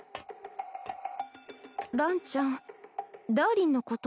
ランちゃんダーリンのこと